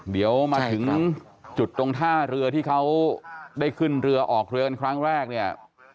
เดี๋ยวมาถึงจุดตรงท่าเรือที่เขาได้ขึ้นเรือออกเรือกันครั้งแรกเนี่ย